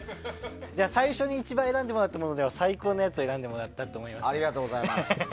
最初に一番に選んだものの中では最高のやつを選んでもらったと思いますよ。